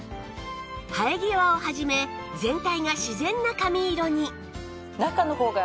生え際を始め全体が自然な髪色に！